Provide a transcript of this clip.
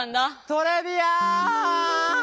トレビアーン！